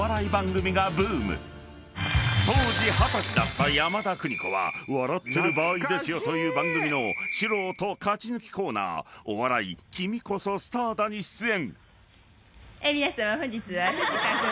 ［当時二十歳だった山田邦子は『笑ってる場合ですよ！』という番組の素人勝ち抜きコーナー「お笑い君こそスターだ」に出演］